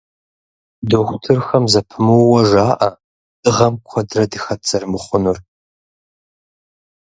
Дохутырхэм зэпымыууэ жаӀэ дыгъэм куэдрэ дыхэт зэрымыхъунур.